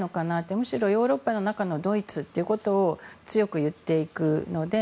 むしろヨーロッパの中のドイツということを強く言っていくので。